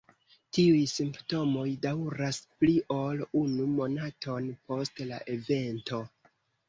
Tiuj simptomoj daŭras pli ol unu monaton post la evento.